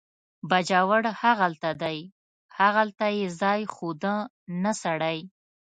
باجوړ هغلته دی، هغلته یې ځای ښوده، نه سړی.